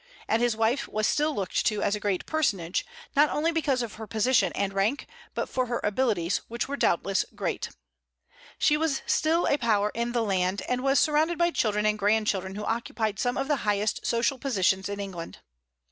And his wife was still looked to as a great personage, not only because of her position and rank, but for her abilities, which were doubtless great. She was still a power in the land, and was surrounded by children and grandchildren who occupied some of the highest social positions in England.